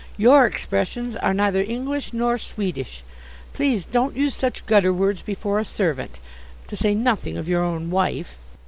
"Your expressions are neither English nor Swedish. Please don't use such gutter words before a servant, to say nothing of your own wife."